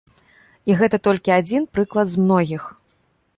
І гэта толькі адзін прыклад з многіх.